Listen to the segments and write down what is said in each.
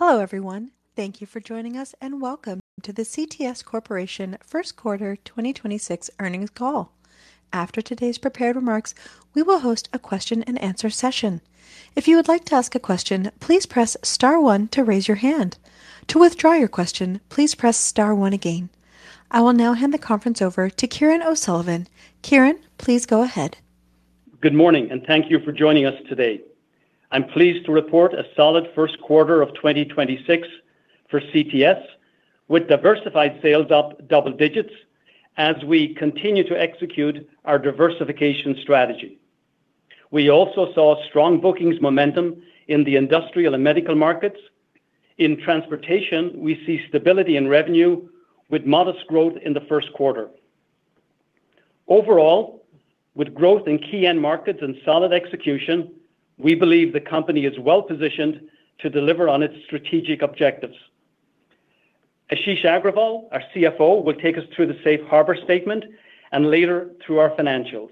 Hello, everyone. Thank you for joining us, and welcome to the CTS Corporation First Quarter 2026 earnings call. After today's prepared remarks, we will host a question and answer session. If you would like to ask a question, please press star one to raise your hand. To withdraw your question, please press star one again. I will now hand the conference over to Kieran O'Sullivan. Kieran, please go ahead. Good morning. Thank you for joining us today. I'm pleased to report a solid first quarter of 2026 for CTS, with diversified sales up double digits as we continue to execute our diversification strategy. We also saw strong bookings momentum in the industrial and medical markets. In transportation, we see stability in revenue with modest growth in the first quarter. Overall, with growth in key end markets and solid execution, we believe the company is well-positioned to deliver on its strategic objcctives. Ashish Agrawal, our CFO, will take us through the safe harbor statement and later through our financials.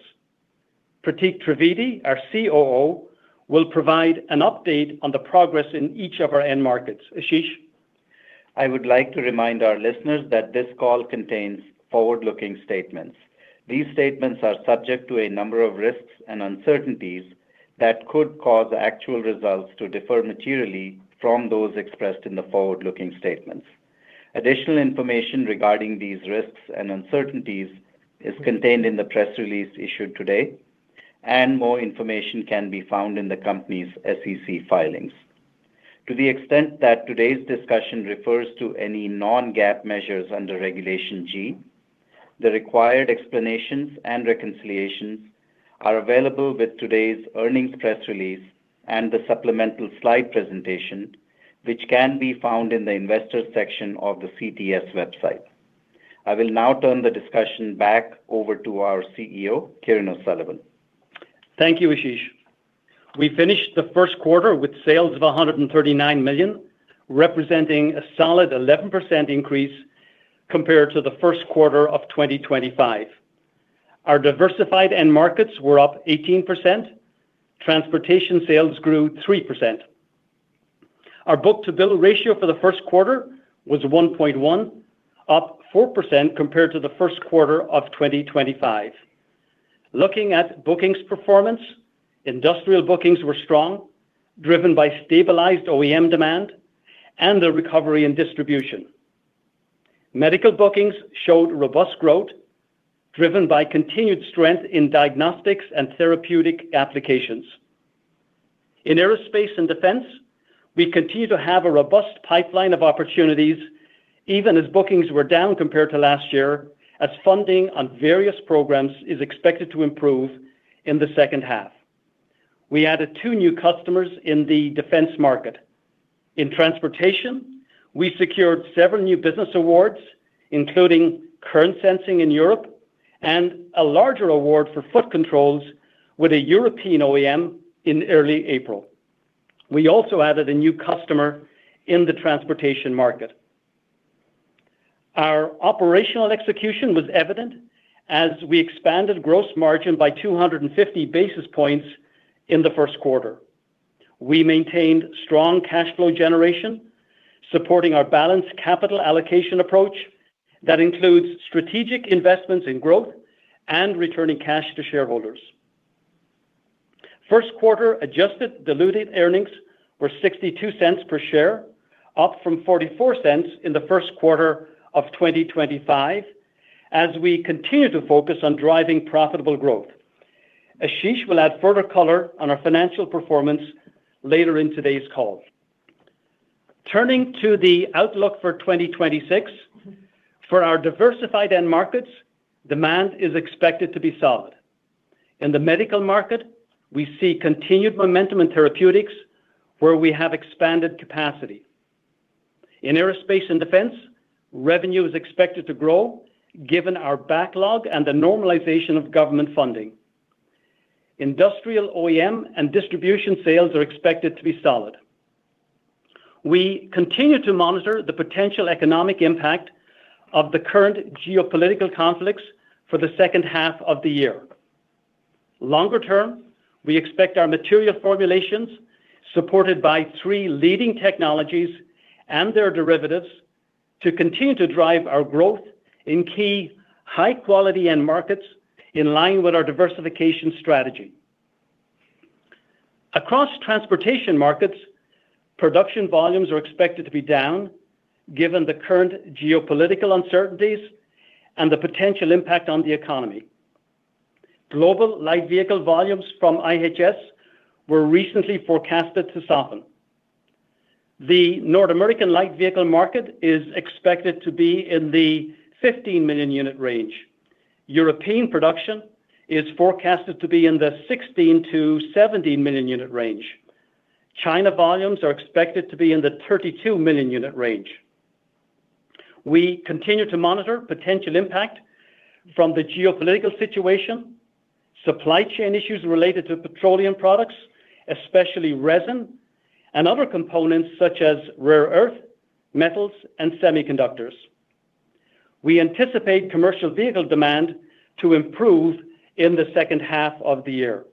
Pratik Trivedi, our COO, will provide an update on the progress in each of our end markets. Ashish? I would like to remind our listeners that this call contains forward-looking statements. These statements are subject to a number of risks and uncertainties that could cause actual results to differ materially from those expressed in the forward-looking statements. Additional information regarding these risks and uncertainties is contained in the press release issued today, and more information can be found in the company's SEC filings. To the extent that today's discussion refers to any non-GAAP measures under Regulation G, the required explanations and reconciliations are available with today's earnings press release and the supplemental slide presentation, which can be found in the Investors section of the CTS website. I will now turn the discussion back over to our CEO, Kieran O'Sullivan. Thank you, Ashish. We finished the first quarter with sales of $139 million, representing a solid 11% increase compared to the first quarter of 2025. Our diversified end markets were up 18%. Transportation sales grew 3%. Our book-to-bill ratio for the first quarter was 1.1, up 4% compared to the first quarter of 2025. Looking at bookings performance, industrial bookings were strong, driven by stabilized OEM demand and a recovery in distribution. Medical bookings showed robust growth, driven by continued strength in diagnostics and therapeutic applications. In aerospace and defense, we continue to have a robust pipeline of opportunities even as bookings were down compared to last year, as funding on various programs is expected to improve in the second half. We added two new customers in the defense market. In transportation, we secured several new business awards, including current sensing in Europe and a larger award for foot controls with a European OEM in early April. We also added a new customer in the transportation market. Our operational execution was evident as we expanded gross margin by 250 basis points in the first quarter. We maintained strong cash flow generation, supporting our balanced capital allocation approach that includes strategic investments in growth and returning cash to shareholders. First quarter adjusted diluted earnings were $0.62 per share, up from $0.44 in the first quarter of 2025 as we continue to focus on driving profitable growth. Ashish will add further color on our financial performance later in today's call. Turning to the outlook for 2026, for our diversified end markets, demand is expected to be solid. In the medical market, we see continued momentum in therapeutics where we have expanded capacity. In aerospace and defense, revenue is expected to grow given our backlog and the normalization of government funding. Industrial OEM and distribution sales are expected to be solid. We continue to monitor the potential economic impact of the current geopolitical conflicts for the second half of the year. Longer term, we expect our material formulations, supported by 3 leading technologies and their derivatives, to continue to drive our growth in key high-quality end markets in line with our diversification strategy. Across transportation markets, production volumes are expected to be down given the current geopolitical uncertainties and the potential impact on the economy. Global light vehicle volumes from IHS were recently forecasted to soften. The North American light vehicle market is expected to be in the 15 million unit range. European production is forecasted to be in the 16 million-17 million unit range. China volumes are expected to be in the 32 million unit range. We continue to monitor potential impact from the geopolitical situation, supply chain issues related to petroleum products, especially resin, and other components such as rare earth metals and semiconductors. We anticipate commercial vehicle demand to improve in the second half of the year.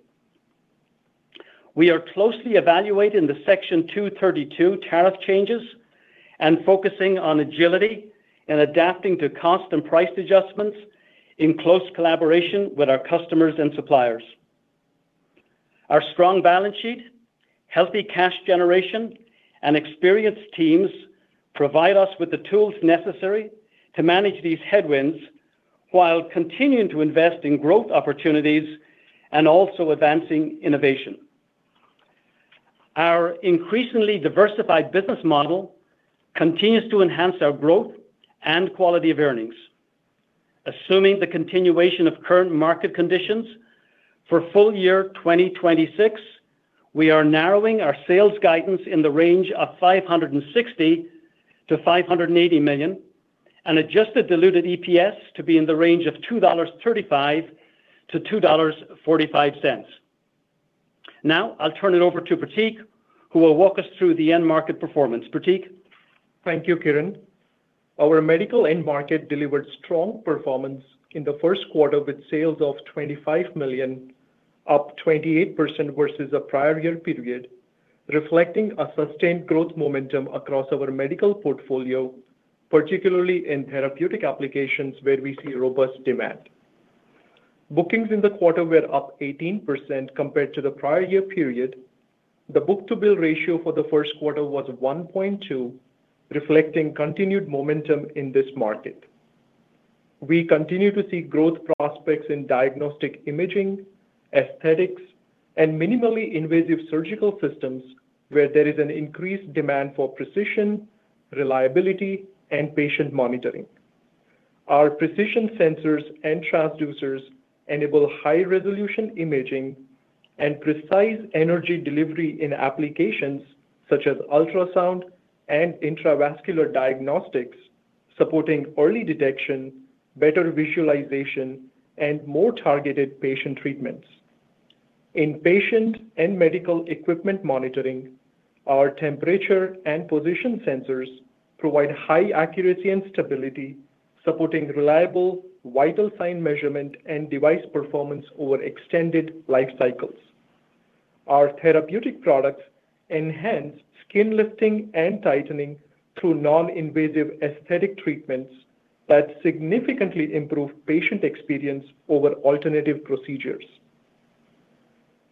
We are closely evaluating the Section 232 tariff changes and focusing on agility and adapting to cost and price adjustments in close collaboration with our customers and suppliers. Our strong balance sheet, healthy cash generation, and experienced teams provide us with the tools necessary to manage these headwinds while continuing to invest in growth opportunities and also advancing innovation. Our increasingly diversified business model continues to enhance our growth and quality of earnings. Assuming the continuation of current market conditions for full year 2026, we are narrowing our sales guidance in the range of $560 million-$580 million, and adjusted diluted EPS to be in the range of $2.35-$2.45. I'll turn it over to Pratik, who will walk us through the end market performance. Pratik. Thank you, Kieran. Our medical end market delivered strong performance in the first quarter with sales of $25 million, up 28% versus the prior year period, reflecting a sustained growth momentum across our medical portfolio, particularly in therapeutic applications where we see robust demand. Bookings in the quarter were up 18% compared to the prior year period. The book-to-bill ratio for the first quarter was 1.2, reflecting continued momentum in this market. We continue to see growth prospects in diagnostic imaging, aesthetics, and minimally invasive surgical systems where there is an increased demand for precision, reliability, and patient monitoring. Our precision sensors and transducers enable high-resolution imaging and precise energy delivery in applications such as ultrasound and intravascular diagnostics, supporting early detection, better visualization, and more targeted patient treatments. In patient and medical equipment monitoring, our temperature and position sensors provide high accuracy and stability, supporting reliable vital sign measurement and device performance over extended life cycles. Our therapeutic products enhance skin lifting and tightening through non-invasive aesthetic treatments that significantly improve patient experience over alternative procedures.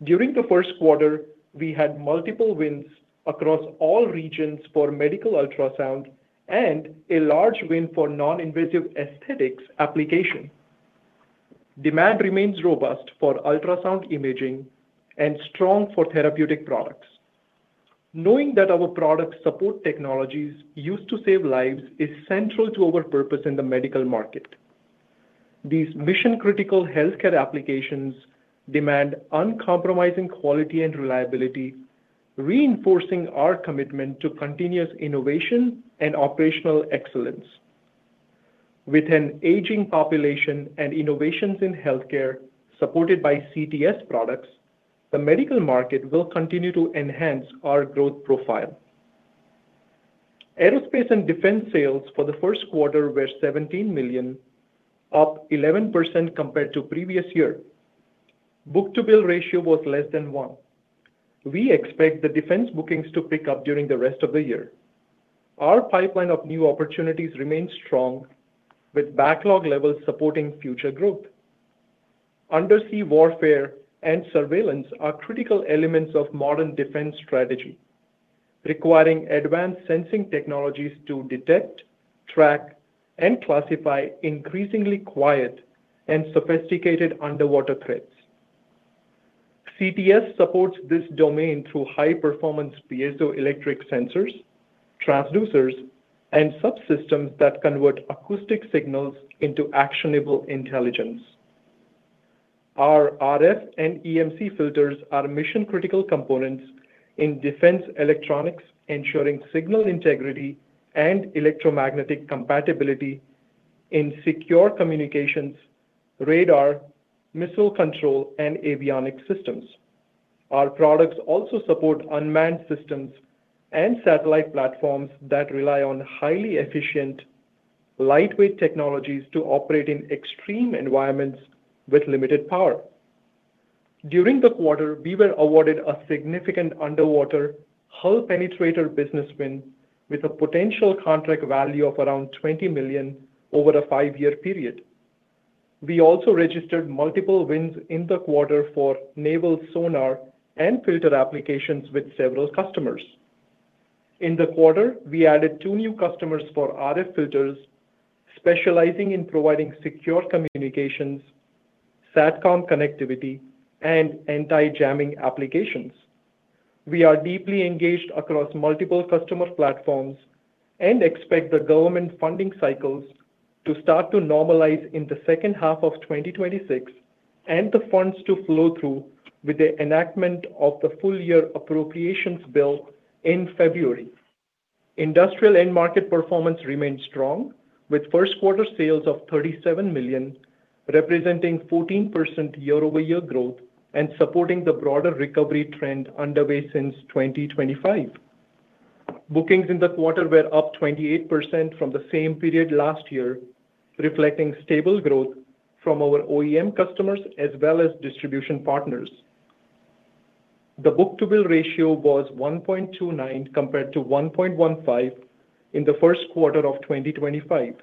During the first quarter, we had multiple wins across all regions for medical ultrasound and a large win for non-invasive aesthetics application. Demand remains robust for ultrasound imaging and strong for therapeutic products. Knowing that our product support technologies used to save lives is central to our purpose in the medical market. These mission-critical healthcare applications demand uncompromising quality and reliability, reinforcing our commitment to continuous innovation and operational excellence. With an aging population and innovations in healthcare supported by CTS products, the medical market will continue to enhance our growth profile. Aerospace and defense sales for the first quarter were $17 million, up 11% compared to previous year. book-to-bill ratio was less than 1. We expect the defense bookings to pick up during the rest of the year. Our pipeline of new opportunities remains strong, with backlog levels supporting future growth. Undersea warfare and surveillance are critical elements of modern defense strategy, requiring advanced sensing technologies to detect, track, and classify increasingly quiet and sophisticated underwater threats. CTS supports this domain through high-performance piezoelectric sensors, transducers, and subsystems that convert acoustic signals into actionable intelligence. Our RF and EMC filters are mission-critical components in defense electronics, ensuring signal integrity and electromagnetic compatibility in secure communications, radar, missile control, and avionics systems. Our products also support unmanned systems and satellite platforms that rely on highly efficient, lightweight technologies to operate in extreme environments with limited power. During the quarter, we were awarded a significant underwater hull penetrator business win with a potential contract value of around $20 million over a 5-year period. We also registered multiple wins in the quarter for naval sonar and filter applications with several customers. In the quarter, we added 2 new customers for RF filters, specializing in providing secure communications, SATCOM connectivity, and anti-jamming applications. We are deeply engaged across multiple customer platforms and expect the government funding cycles to start to normalize in the second half of 2026 and the funds to flow through with the enactment of the full-year appropriations bill in February. Industrial end market performance remains strong, with first quarter sales of $37 million, representing 14% year-over-year growth and supporting the broader recovery trend underway since 2025. Bookings in the quarter were up 28% from the same period last year, reflecting stable growth from our OEM customers as well as distribution partners. The book-to-bill ratio was 1.29 compared to 1.15 in the first quarter of 2025.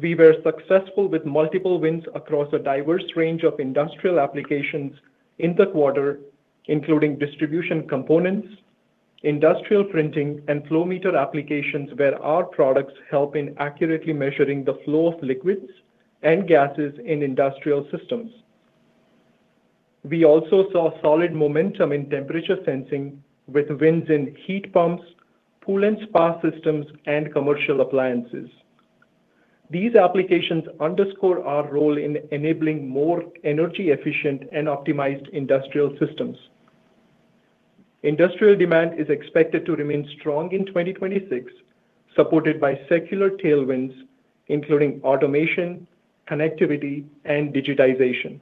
We were successful with multiple wins across a diverse range of industrial applications in the quarter, including distribution components, industrial printing, and flow meter applications where our products help in accurately measuring the flow of liquids and gases in industrial systems. We also saw solid momentum in temperature sensing with wins in heat pumps, pool and spa systems, and commercial appliances. These applications underscore our role in enabling more energy efficient and optimized industrial systems. Industrial demand is expected to remain strong in 2026, supported by secular tailwinds, including automation, connectivity, and digitization.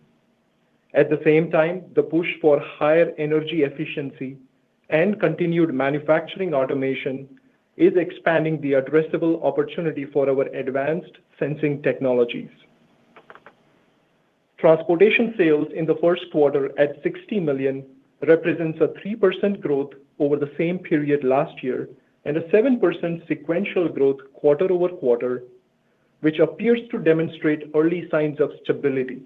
At the same time, the push for higher energy efficiency and continued manufacturing automation is expanding the addressable opportunity for our advanced sensing technologies. Transportation sales in Q1 at $60 million represents a 3% growth over the same period last year and a 7% sequential growth quarter-over-quarter, which appears to demonstrate early signs of stability.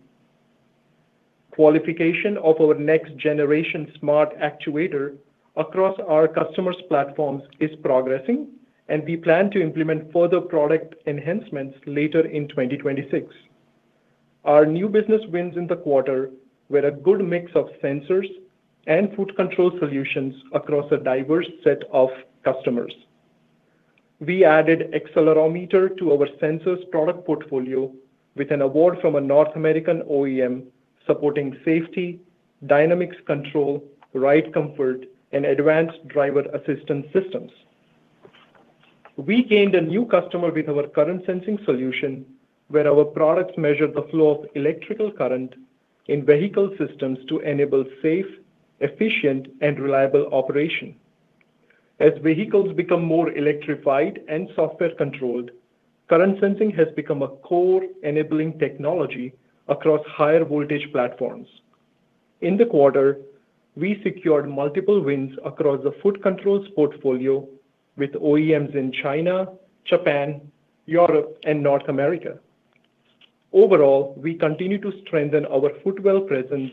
Qualification of our next generation Smart Actuator across our customers' platforms is progressing, and we plan to implement further product enhancements later in 2026. Our new business wins in the quarter were a good mix of sensors and foot control solutions across a diverse set of customers. We added accelerometer to our sensors product portfolio with an award from a North American OEM supporting safety, dynamics control, ride comfort, and advanced driver assistance systems. We gained a new customer with our current sensing solution, where our products measure the flow of electrical current in vehicle systems to enable safe, efficient, and reliable operation. As vehicles become more electrified and software controlled, current sensing has become a core enabling technology across higher voltage platforms. In the quarter, we secured multiple wins across the foot controls portfolio with OEMs in China, Japan, Europe, and North America. Overall, we continue to strengthen our footwell presence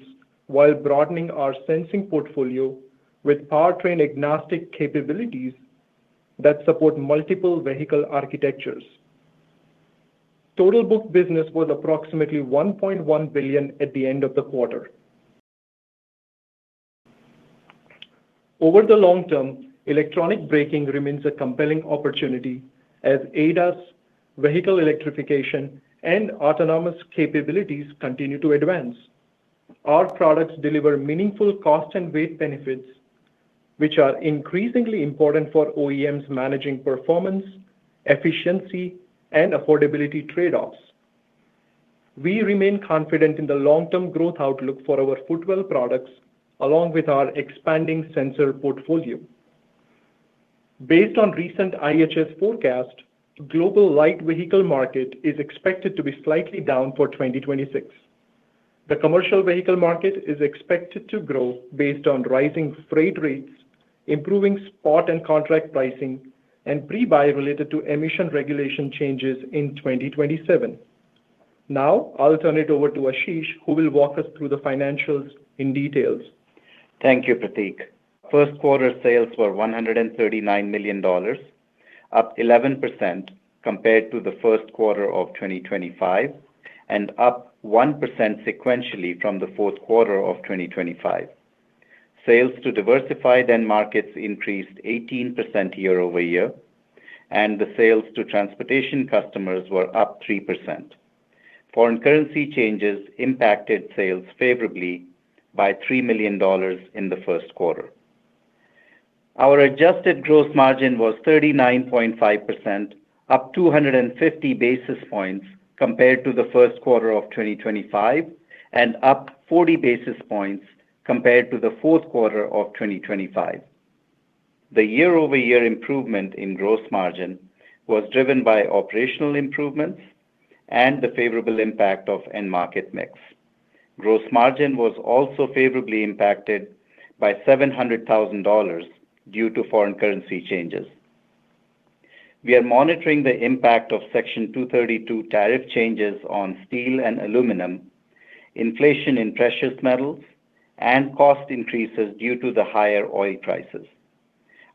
while broadening our sensing portfolio with powertrain-agnostic capabilities that support multiple vehicle architectures. Total book business was approximately $1.1 billion at the end of the quarter. Over the long term, electronic braking remains a compelling opportunity as ADAS vehicle electrification and autonomous capabilities continue to advance. Our products deliver meaningful cost and weight benefits, which are increasingly important for OEMs managing performance, efficiency, and affordability trade-offs. We remain confident in the long-term growth outlook for our footwell products, along with our expanding sensor portfolio. Based on recent IHS forecast, global light vehicle market is expected to be slightly down for 2026. The commercial vehicle market is expected to grow based on rising freight rates, improving spot and contract pricing, and pre-buy related to emission regulation changes in 2027. Now, I'll turn it over to Ashish, who will walk us through the financials in details. Thank you, Pratik. First quarter sales were $139 million, up 11% compared to the first quarter of 2025 and up 1% sequentially from the fourth quarter of 2025. Sales to diversified end markets increased 18% year-over-year, and the sales to transportation customers were up 3%. Foreign currency changes impacted sales favorably by $3 million in the first quarter. Our adjusted gross margin was 39.5%, up 250 basis points compared to the first quarter of 2025, and up 40 basis points compared to the fourth quarter of 2025. The year-over-year improvement in gross margin was driven by operational improvements and the favorable impact of end market mix. Gross margin was also favorably impacted by $700,000 due to foreign currency changes. We are monitoring the impact of Section 232 tariff changes on steel and aluminum, inflation in precious metals, and cost increases due to the higher oil prices.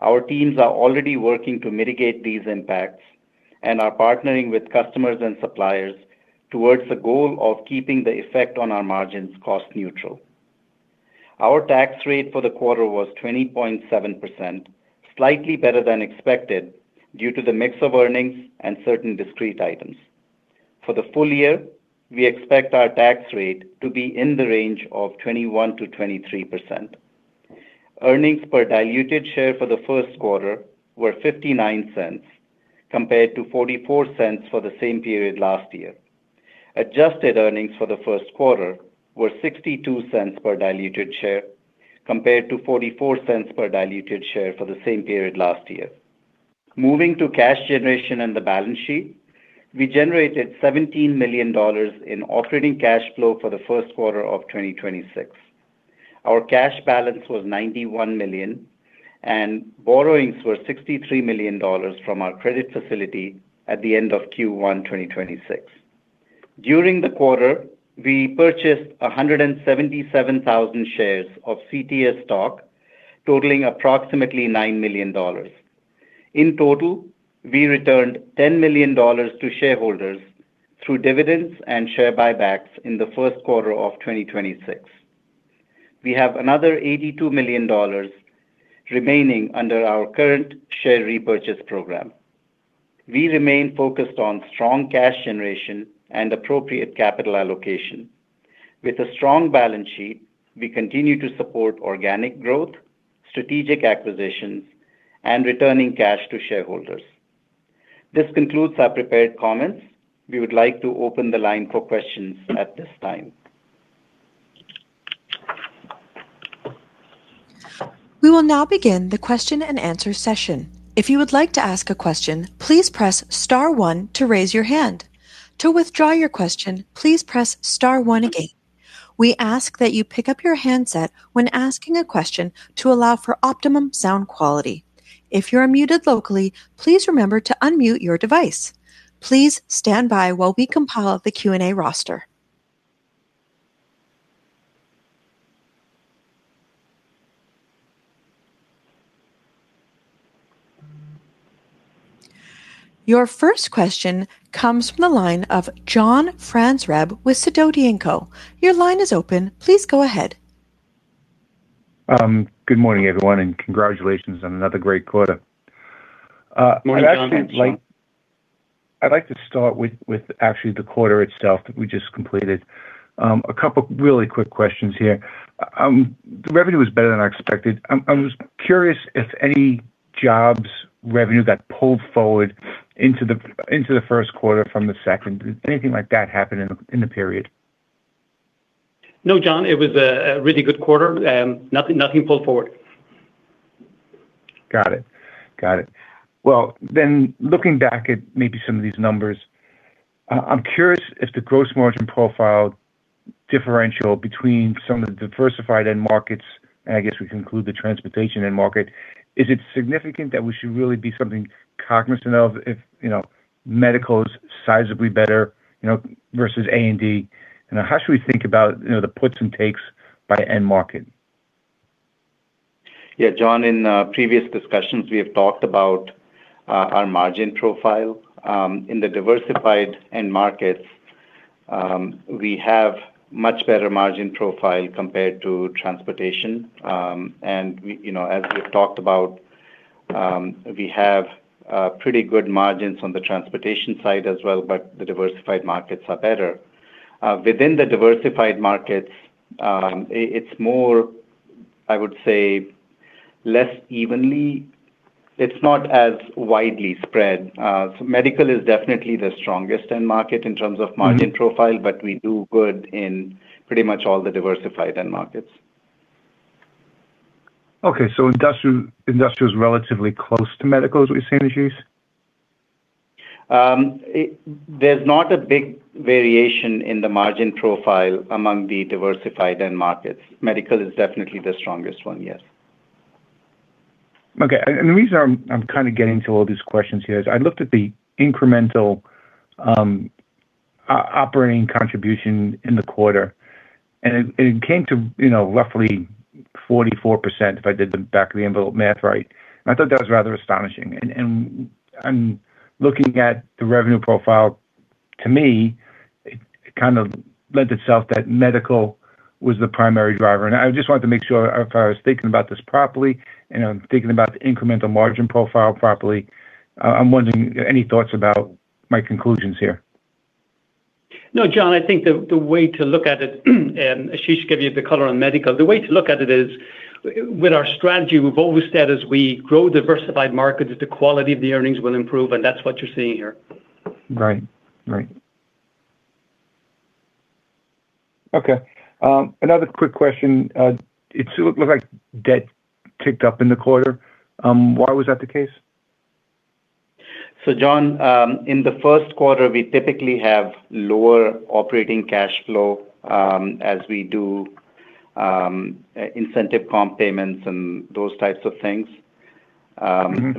Our teams are already working to mitigate these impacts and are partnering with customers and suppliers towards the goal of keeping the effect on our margins cost neutral. Our tax rate for the quarter was 20.7%, slightly better than expected due to the mix of earnings and certain discrete items. For the full year, we expect our tax rate to be in the range of 21%-23%. Earnings per diluted share for the first quarter were $0.59 compared to $0.44 for the same period last year. Adjusted earnings for the first quarter were $0.62 per diluted share compared to $0.44 per diluted share for the same period last year. Moving to cash generation and the balance sheet, we generated $17 million in operating cash flow for the first quarter of 2026. Our cash balance was $91 million, and borrowings were $63 million from our credit facility at the end of Q1 2026. During the quarter, we purchased 177,000 shares of CTS stock, totaling approximately $9 million. In total, we returned $10 million to shareholders through dividends and share buybacks in the first quarter of 2026. We have another $82 million remaining under our current share repurchase program. We remain focused on strong cash generation and appropriate capital allocation. With a strong balance sheet, we continue to support organic growth, strategic acquisitions, and returning cash to shareholders. This concludes our prepared comments. We would like to open the line for questions at this time. We will now begin the question and answer session. If you would like to ask a question, please press star one to raise your hand. To withdraw your question, please press star one again. We ask that you pick up your handset when asking a question to allow for optimum sound quality. If you are muted locally, please remember to unmute your device. Please stand by while we compile the Q&A roster. Your first question comes from the line of John Franzreb with Sidoti & Company. Your line is open. Please go ahead. Good morning, everyone. Congratulations on another great quarter. Morning, John. I'd like to start with actually the quarter itself that we just completed. A couple of really quick questions here. The revenue was better than I expected. I was curious if any jobs revenue got pulled forward into the first quarter from the second. Did anything like that happen in the period? No, John, it was a really good quarter. Nothing pulled forward. Got it. Looking back at maybe some of these numbers, I'm curious if the gross margin profile differential between some of the diversified end markets, and I guess we can include the transportation end market, is it significant that we should really be something cognizant of if, you know, medical is sizably better, you know, versus A&D? You know, how should we think about, you know, the puts and takes by end market? Yeah, John, in previous discussions, we have talked about our margin profile. In the diversified end markets, we have much better margin profile compared to transportation. We, you know, as we've talked about, we have pretty good margins on the transportation side as well, but the diversified markets are better. Within the diversified markets, it's more, I would say, it's not as widely spread. Medical is definitely the strongest end market. Mm-hmm. Margin profile, but we do good in pretty much all the diversified end markets. Okay. industrial is relatively close to medical, is what you're saying, Ashish? There's not a big variation in the margin profile among the diversified end markets. Medical is definitely the strongest one, yes. Okay. The reason I'm kind of getting to all these questions here is I looked at the incremental operating contribution in the quarter, and it came to, you know, roughly 44%, if I did the back of the envelope math right, and I thought that was rather astonishing. Looking at the revenue profile, to me, it kind of lent itself that medical was the primary driver. I just wanted to make sure if I was thinking about this properly, and I'm thinking about the incremental margin profile properly. I'm wondering any thoughts about my conclusions here. No, John, I think the way to look at it, Ashish gave you the color on medical. The way to look at it is with our strategy, we've always said as we grow diversified markets, the quality of the earnings will improve, and that's what you're seeing here. Right. Right. Okay. Another quick question. It looked like debt ticked up in the quarter. Why was that the case? John, in the first quarter, we typically have lower operating cash flow, as we do incentive comp payments and those types of things.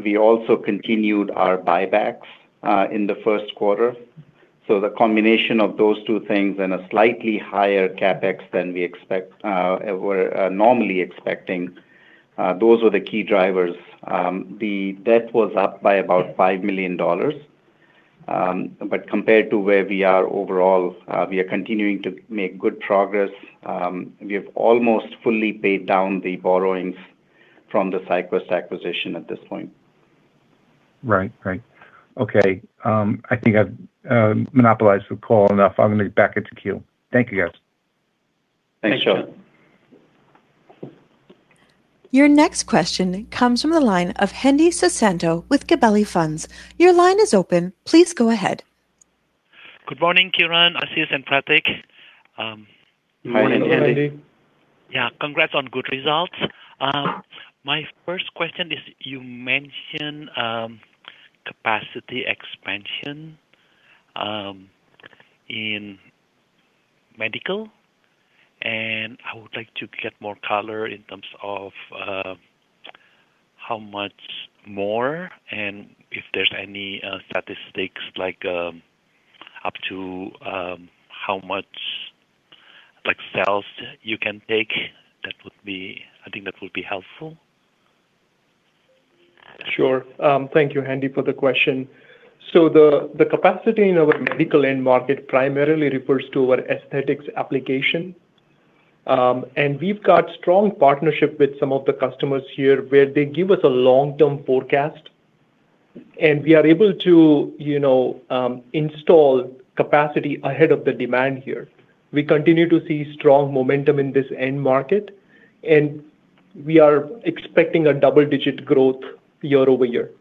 We also continued our buybacks in the first quarter. The combination of those 2 things and a slightly higher CapEx than we're normally expecting, those were the key drivers. The debt was up by about $5 million. Compared to where we are overall, we are continuing to make good progress. We have almost fully paid down the borrowings from the SyQuest acquisition at this point. Right. Right. Okay. I think I've monopolized the call enough. I'm gonna back it to queue. Thank you, guys. Thanks, John. Your next question comes from the line of Hendi Susanto with Gabelli Funds. Your line is open. Please go ahead. Good morning, Kieran, Ashish, and Pratik. Morning, Hendi. Congrats on good results. My first question is you mentioned capacity expansion in medical, and I would like to get more color in terms of how much more and if there's any statistics like up to how much like sales you can take. I think that would be helpful. Sure. Thank you, Hendi, for the question. The capacity in our medical end market primarily refers to our aesthetics application. We've got strong partnership with some of the customers here where they give us a long-term forecast, and we are able to, you know, install capacity ahead of the demand here. We continue to see strong momentum in this end market, and we are expecting a double-digit growth year-over-year.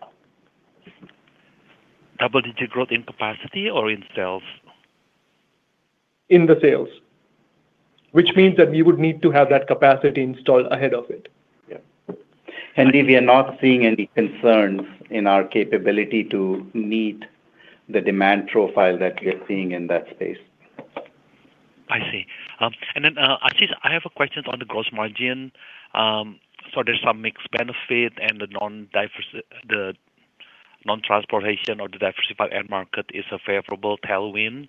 Double-digit growth in capacity or in sales? In the sales. Which means that we would need to have that capacity installed ahead of it. Yeah. Hendi, we are not seeing any concerns in our capability to meet the demand profile that we are seeing in that space. I see. Ashish, I have a question on the gross margin. There's some mixed benefit and the non-transportation or the diversified end market is a favorable tailwind.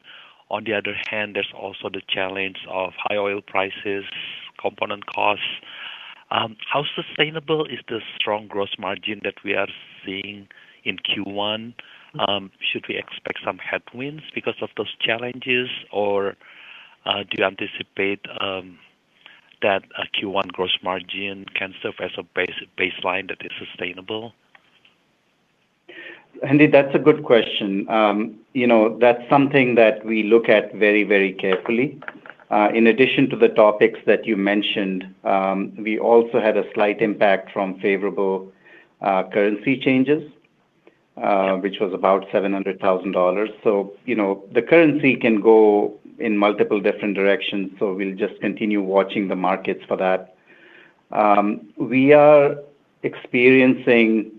There's also the challenge of high oil prices, component costs. How sustaibable is the strong gross margin that we are seeing in Q1? Do you anticipate that a Q1 gross margin can serve as a baseline that is sustainable? Hendi, that's a good question. You know, that's something that we look at very, very carefully. In addition to the topics that you mentioned, we also had a slight impact from favorable currency changes, which was about $700,000. You know, the currency can go in multiple different directions, so we'll just continue watching the markets for that. We are experiencing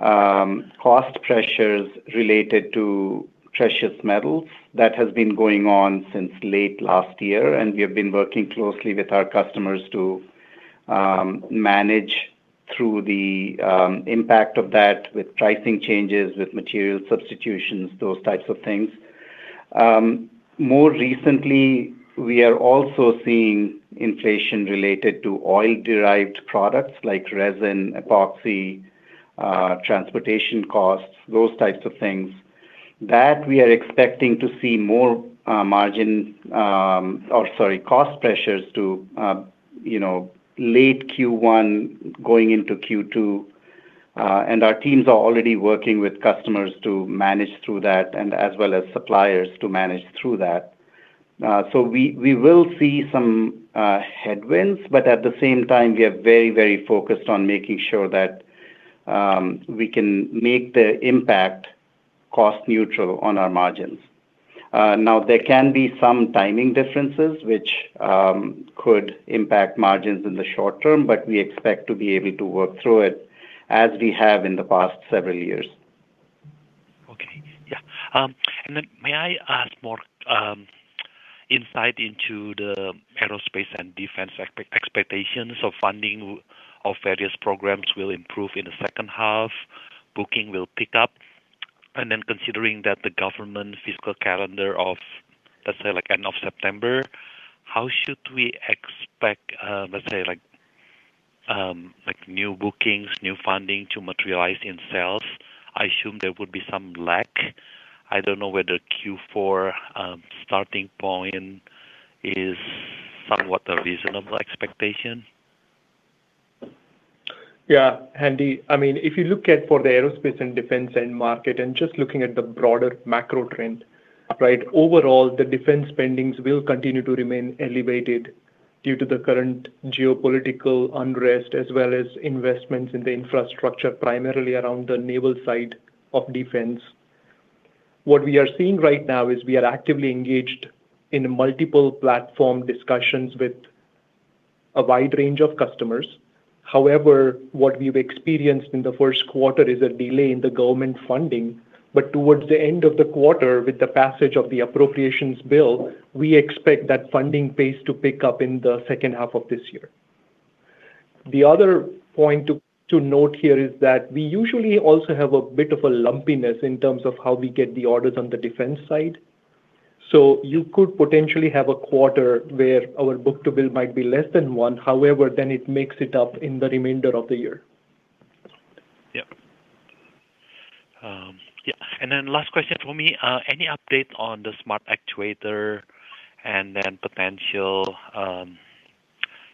cost pressures related to precious metals. That has been going on since late last year, and we have been working closely with our customers to manage through the impact of that with pricing changes, with material substitutions, those types of things. More recently, we are also seeing inflation related to oil-derived products like resin, epoxy, transportation costs, those types of things. That we are expecting to see more margin. or sorry, cost pressures to, you know, late Q1 going into Q2. Our teams are already working with customers to manage through that and as well as suppliers to manage through that. We will see some headwinds, but at the same time, we are very, very focused on making sure that we can make the impact cost neutral on our margins. Now, there can be some timing differences which could impact margins in the short term, but we expect to be able to work through it as we have in the past several years. Okay. Yeah. May I ask more insight into the aerospace and defense expectations of funding of various programs will improve in the second half, booking will pick up, considering that the government fiscal calendar of end of September, how should we expect new bookings, new funding to materialize in sales? I assume there would be some lag. I don't know whether Q4 starting point is somewhat a reasonable expectation. Yeah. Hendi, I mean, if you look at for the aerospace and defense end market and just looking at the broader macro trend, right? Overall, the defense spendings will continue to remain elevated due to the current geopolitical unrest as well as investments in the infrastructure, primarily around the naval side of defense. What we are seeing right now is we are actively engaged in multiple platform discussions with a wide range of customers. However, what we've experienced in the first quarter is a delay in the government funding. Towards the end of the quarter, with the passage of the appropriations bill, we expect that funding pace to pick up in the second half of this year. The other point to note here is that we usually also have a bit of a lumpiness in terms of how we get the orders on the defense side. You could potentially have a quarter where our book-to-bill might be less than 1. It makes it up in the remainder of the year. Yep. Yeah. Last question for me. Any update on the Smart Actuator and potential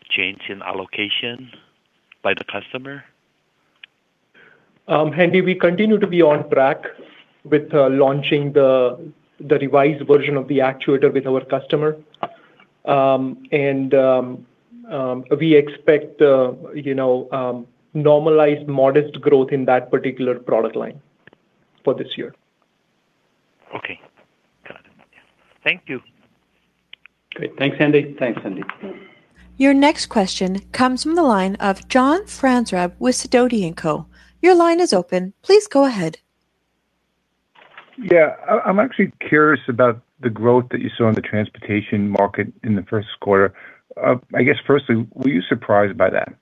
change in allocation by the customer? Hendi, we continue to be on track with launching the revised version of the actuator with our customer. We expect, you know, normalized modest growth in that particular product line for this year. Okay. Got it. Thank you. Great. Thanks, Hendi. Thanks, Hendi. Your next question comes from the line of John Franzreb with Sidoti & Company. Your line is open. Please go ahead. Yeah. I'm actually curious about the growth that you saw in the transportation market in the first quarter. I guess firstly, were you surprised by that?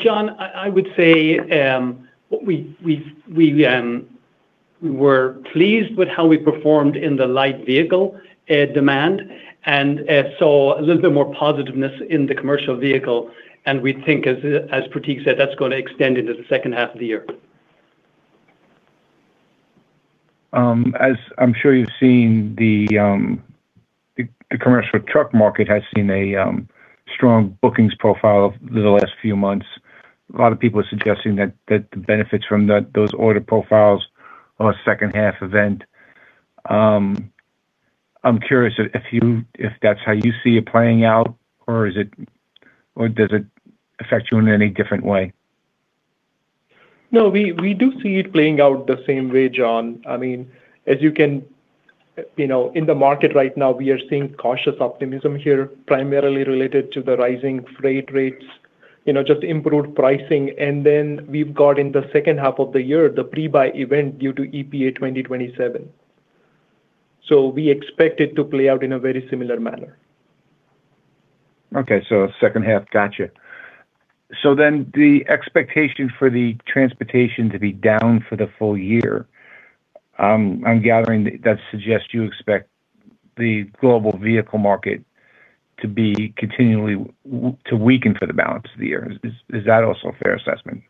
John, I would say, we were pleased with how we performed in the light vehicle demand and saw a little bit more positiveness in the commercial vehicle, and we think as Pratik said, that's gonna extend into the second half of the year. As I'm sure you've seen the commercial truck market has seen a strong bookings profile over the last few months. A lot of people are suggesting that the benefits from those order profiles are a second half event. I'm curious if that's how you see it playing out or does it affect you in any different way? No, we do see it playing out the same way, John. I mean, as you can, you know, in the market right now we are seeing cautious optimism here, primarily related to the rising freight rates. You know, just improved pricing and then we've got in the second half of the year the pre-buy event due to EPA 2027. We expect it to play out in a very similar manner. Okay, second half. Gotcha. The expectation for the transportation to be down for the full year, I'm gathering that suggests you expect the global vehicle market to be continually to weaken for the balance of the year. Is that also a fair assessment?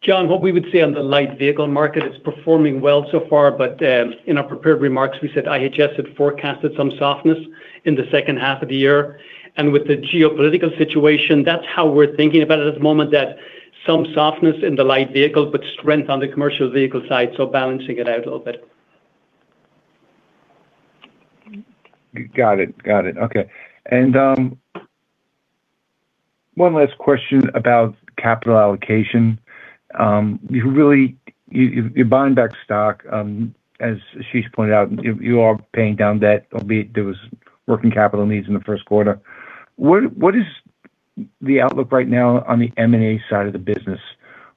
John, what we would say on the light vehicle market is performing well so far, but in our prepared remarks we said IHS had forecasted some softness in the second half of the year. With the geopolitical situation, that's how we're thinking about it at this moment that some softness in the light vehicles, but strength on the commercial vehicle side, so balancing it out a little bit. Got it. Got it. Okay. One last question about capital allocation. You're buying back stock, as Ashish pointed out, you are paying down debt, albeit there was working capital needs in the first quarter. What is the outlook right now on the M&A side of the business?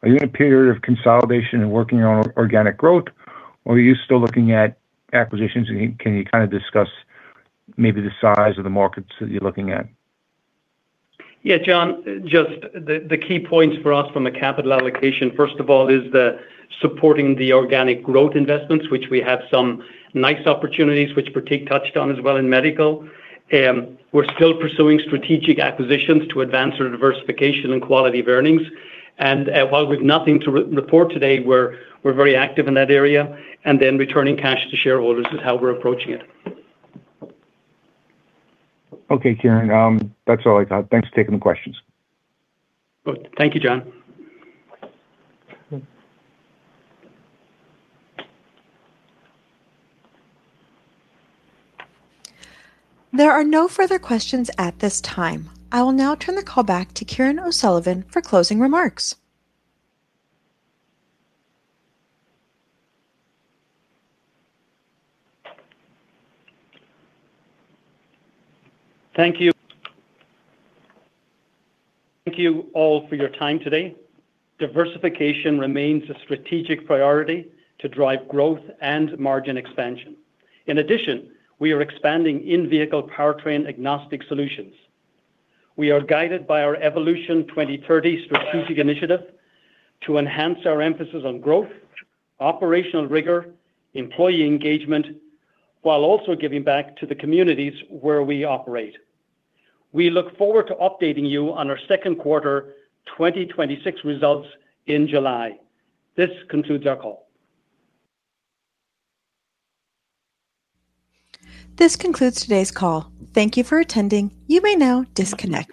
Are you in a period of consolidation and working on organic growth or are you still looking at acquisitions? Can you kind of discuss maybe the size of the markets that you're looking at? Yeah, John, just the key points for us from a capital allocation, first of all is the supporting the organic growth investments, which we have some nice opportunities which Pratik touched on as well in medical. We're still pursuing strategic acquisitions to advance our diversification and quality of earnings. While we've nothing to report today, we're very active in that area and then returning cash to shareholders is how we're approaching it. Okay, Kieran. That's all I got. Thanks for taking the questions. Good. Thank you, John. There are no further questions at this time. I will now turn the call back to Kieran O'Sullivan for closing remarks. Thank you. Thank you all for your time today. Diversification remains a strategic priority to drive growth and margin expansion. In addition, we are expanding in-vehicle powertrain agnostic solutions. We are guided by the Evolution 2030 strategic initiative to enhance our emphasis on growth, operational rigor, employee engagement, while also giving back to the communities where we operate. We look forward to updating you on our Q2 2026 results in July. This concludes our call. This concludes today's call. Thank you for attending. You may now disconnect.